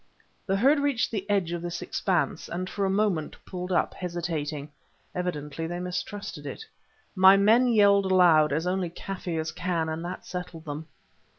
The herd reached the edge of this expanse, and for a moment pulled up, hesitating—evidently they mistrusted it. My men yelled aloud, as only Kaffirs can, and that settled them.